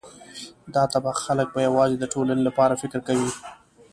دا طبقه خلک به یوازې د ټولنې لپاره فکر کوي.